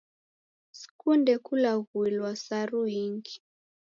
Sikunde kulaghuilwa saru ingi.